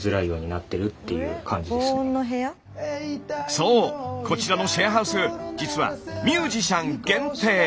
そうこちらのシェアハウス実はミュージシャン限定。